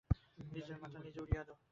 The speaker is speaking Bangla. নিজের মাথা নিজে উড়িয়ে দেও।